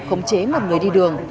khống chế một người đi đường